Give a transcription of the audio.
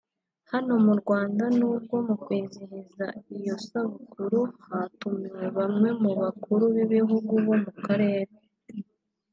Hano mu Rwanda n’ubwo mu kwizihiza iyo sabukuru hatumiwe bamwe mu bakuru b’ibihugu bo mu Karere